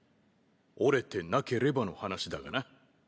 折れてなければの話だがな。